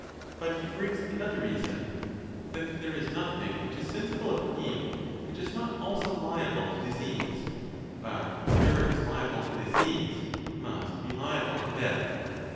But he brings another reason—that there is nothing which is sensible of pain which is not also liable to disease; but whatever is liable to disease must be liable to death.